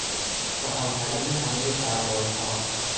چاخانترین همهی سربازها